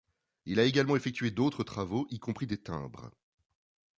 Il a également effectué d'autres travaux, y compris des timbres.